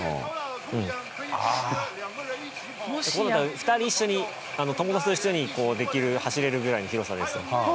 ２人一緒に友達と一緒にこうできる走れるぐらいの広さですと。